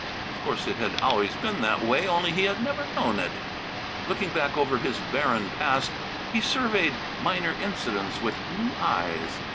Of course it had always been that way, only he had never known it. Looking back over his barren past he surveyed minor incidents with new eyes.